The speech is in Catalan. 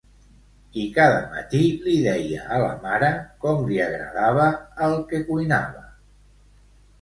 I cada matí li deia a la mare com li agradava el que cuinava.